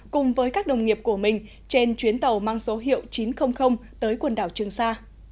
cùng với các đồng nghiệp của mình trên chuyến tàu mang số hiệu chín trăm linh tới quần đảo trường sa